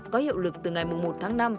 có hiệu lực từ ngày một tháng năm